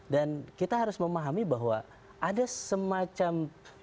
dan kita harus memahami bahwa ada semacam